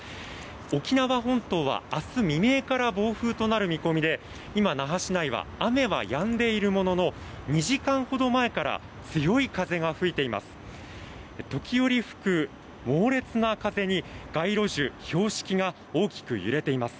沖縄本島は、明日未明から暴風となる見込みで今、那覇市内は雨はやんでいるものの２時間ほど前から強い風が吹いています。